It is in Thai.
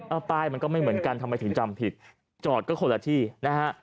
เอาป้ายมันก็ไม่เหมือนกันทำไมถึงจำผิดจอดก็คนละที่นะฮะ